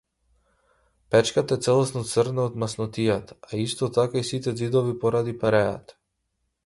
Печката е целосно црна од маснотија, а исто така и сите ѕидови поради пареата.